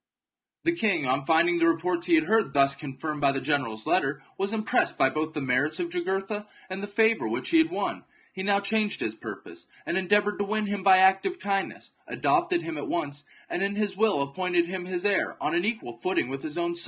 The king, on finding the reports he had heard thus confirmed by the general's letter, was impressed both by the merits of Jugurtha and the favour which he had won. He now changed his purpose, and endeavoured to win him by active kindness, adopted him at once, and in his will appointed him his heir on an equal footing with his own sons.